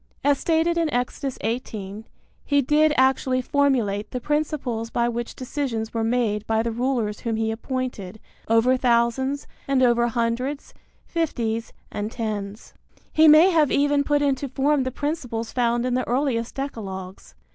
As stated in Exodus 18, he did actually formulate the principles by which decisions were made by the rulers whom he appointed over thousands and over hundreds, fifties and tens. He may have even put into form the principles found in the earliest decalogues.